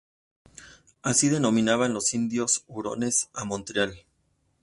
Así denominaban los indios hurones a Montreal.